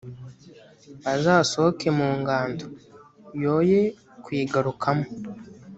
azasohoke mu ngando, yoye kuyigarukamo: